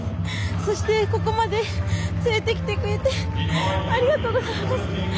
そしてここまで連れてきてくれてありがとうございます。